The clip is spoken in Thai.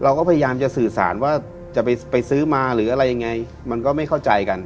เราก็พยายามจะสื่อสารว่าจะไปซื้อมาหรืออะไรยังไงมันก็ไม่เข้าใจกัน